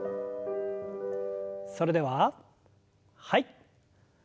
それでははい。